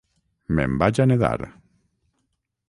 Me'n vaig a nedar!